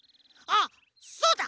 あっそうだ！